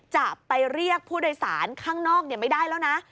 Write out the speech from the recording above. จะไปเรียกผู้โดยสารข้างนอกไม่ได้แล้วนะ